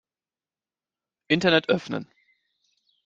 Internet öffnen.